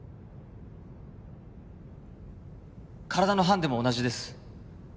体のハンデも同じです